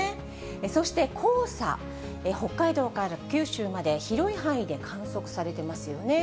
そして黄砂、北海道から九州まで、広い範囲で観測されてますよね。